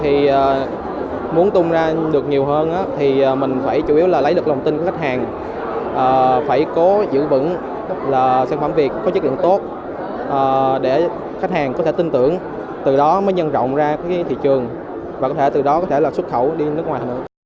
thì muốn tung ra được nhiều hơn thì mình phải chủ yếu là lấy được lòng tin của khách hàng phải cố giữ vững là sản phẩm việt có chất lượng tốt để khách hàng có thể tin tưởng từ đó mới nhân rộng ra cái thị trường và có thể từ đó có thể là xuất khẩu đi nước ngoài